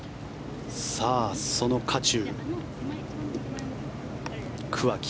その渦中、桑木。